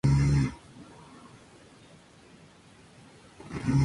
Sus padres se trasladan a Bilbao cuando contaba con tres meses de edad.